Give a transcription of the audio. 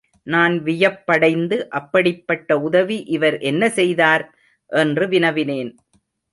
நான் வியப்படைந்து, அப்படிப்பட்ட உதவி இவர் என்ன செய்தார்? என்று வினவினேன்.